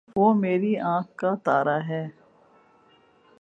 وہ میری آنکھ کا تارا ہے